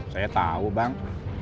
saya tahu bang